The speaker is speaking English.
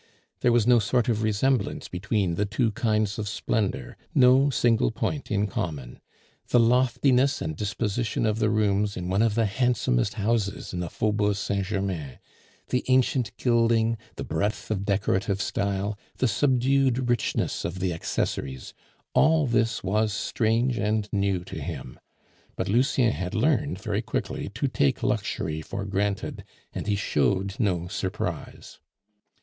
There was no sort of resemblance between the two kinds of splendor, no single point in common. The loftiness and disposition of the rooms in one of the handsomest houses in the Faubourg Saint Germain, the ancient gilding, the breadth of decorative style, the subdued richness of the accessories, all this was strange and new to him; but Lucien had learned very quickly to take luxury for granted, and he showed no surprise.